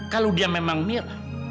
kalau dia memang mira